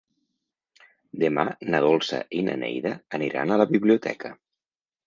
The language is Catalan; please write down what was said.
Demà na Dolça i na Neida aniran a la biblioteca.